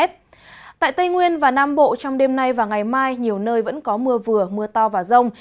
trên tây nguyên và nam bộ trong đêm nay và ngày mai nhiều nơi vẫn có mưa vừa mưa to và rông